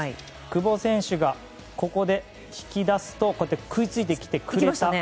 久保選手が引き出すと食いついてきてくれた。